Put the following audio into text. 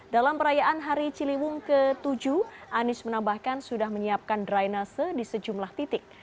dalam perayaan hari ciliwung ke tujuh anies menambahkan sudah menyiapkan drainase di sejumlah titik